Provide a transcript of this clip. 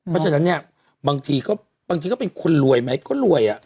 เพราะฉะนั้นบางทีก็เป็นคนรวยไหมก็รวย